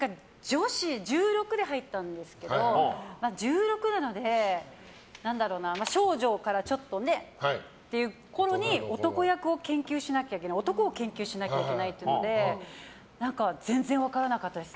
１６で入ったんですけど１６なので少女からちょっとっていうころに男役を研究しなきゃいけない男を研究しなきゃいけないというので全然分からなかったです。